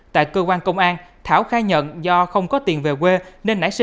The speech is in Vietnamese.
tại cơ quan công an thảo khai nhận do không có tiền về quê nên nãy sớm